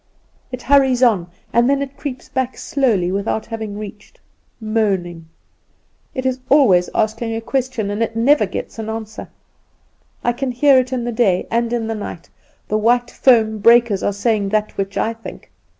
It hurries on; and then it creeps back slowly without having reached, moaning. It is always asking a question, and it never gets the answer. I can hear it in the day and in the night; the white foam breakers are saying that which I think.